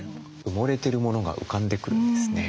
埋もれてるものが浮かんでくるんですね。